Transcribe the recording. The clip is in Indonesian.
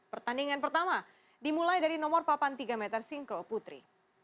pertandingan pertama dimulai dari nomor papan tiga meter sinkro putri